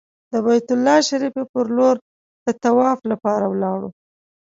د بیت الله شریفې پر لور د طواف لپاره ولاړو.